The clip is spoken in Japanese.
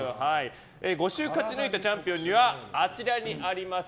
５週勝ち抜いたチャンピオンにはあちらにあります